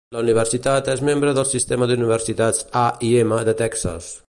La Universitat és membre del Sistema d'Universitats A i M de Texas.